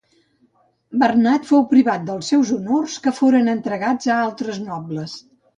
Bernat fou privat dels seus honors que foren entregats a altres nobles.